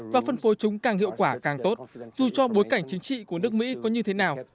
và phân phối chúng càng hiệu quả càng tốt dù cho bối cảnh chính trị của nước mỹ có như thế nào